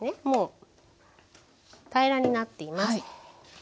もう平らになっています。